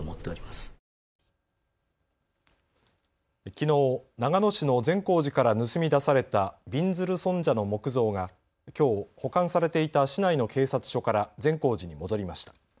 きのう長野市の善光寺から盗み出されたびんずる尊者の木像がきょう保管されていた市内の警察署から善光寺に戻りました。